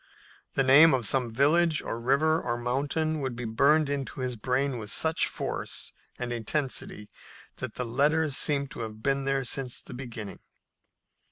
The name of some village or river or mountain would be burned into his brain with such force and intensity that the letters seemed to have been there since the beginning.